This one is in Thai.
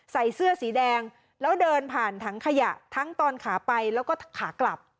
ใส่เสื้อสีแดงแล้วเดินผ่านถังขยะทั้งตอนขาไปแล้วก็ขากลับ